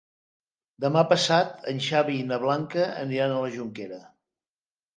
Demà passat en Xavi i na Blanca aniran a la Jonquera.